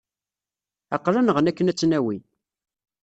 Aql-aneɣ-n akken ad tt-nawi.